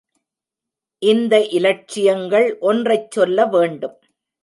இந்த இலட்சியங்கள் ஒன்றைச் சொல்ல வேண்டும்.